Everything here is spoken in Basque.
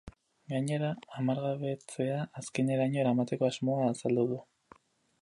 Gainera, armagabetzea azkeneraino eramateko asmoa azaldu du.